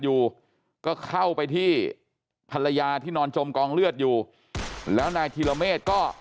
อยู่ก็เข้าไปที่ภรรยาที่นอนจมกองเลือดอยู่แล้วนายธีรเมฆก็